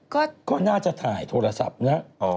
ก็น่าจะถ่ายโทรศัพท์นะ